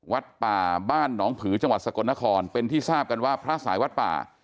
วัดป่าบ้านหนองผือจังหวัดสกลนครเป็นที่ทราบกันว่าพระสายวัดป่า